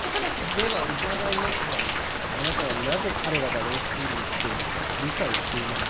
では伺いますがあなたはなぜ彼らがロースクールに来ているか理解していますか？